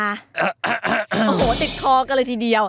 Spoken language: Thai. โอ้โหติดคอกันเลยทีเดียว